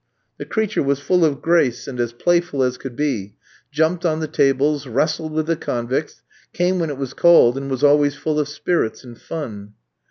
The creature was full of grace and as playful as could be, jumped on the tables, wrestled with the convicts, came when it was called, and was always full of spirits and fun.